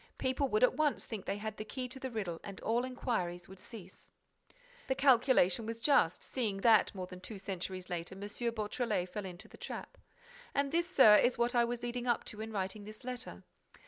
People would at once think that they had the key to the riddle and all enquiries would cease. The calculation was just, seeing that, more than two centuries later, M. Beautrelet fell into the trap. And this, Sir, is what I was leading up to in writing this letter.